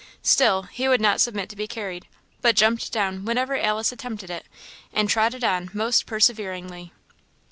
Still he would not submit to be carried, but jumped down whenever Alice attempted it, and trotted on most perseveringly.